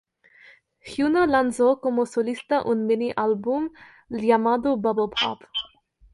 Hyuna lanzó como solista un mini-álbum llamado Bubble Pop!